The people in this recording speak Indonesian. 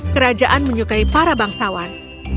kerajaan menyukai para bangsawan